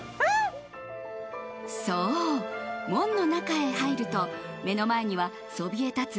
そう、門の中へ入ると目の前にはそびえたつ